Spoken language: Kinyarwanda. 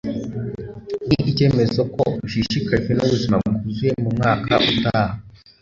ni icyemezo ko ushishikajwe n'ubuzima bwuzuye mu mwaka utaha